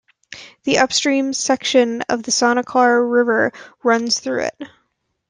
The upstream section of the Santa Clara River runs through it.